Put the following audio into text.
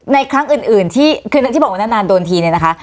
ในครั้งอื่นที่คือที่บอกว่านานโดนทีเนี่ยนะคะ